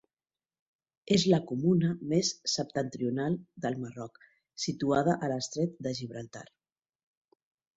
És la comuna més septentrional del Marroc, situada a l'estret de Gibraltar.